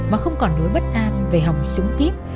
mà không còn nỗi bất an về hòng súng kíp